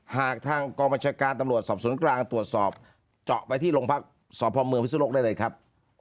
หากทางกองบัญชาการตำรวจสอบสวนกลางตรวจสอบเจาะไปที่โรงพักษพเมืองพิสุโลกได้เลยครับ